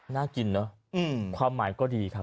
น่ากินเนอะความหมายก็ดีครับ